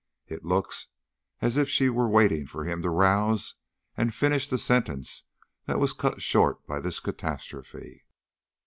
It looks as if she were waiting for him to rouse and finish the sentence that was cut short by this catastrophe."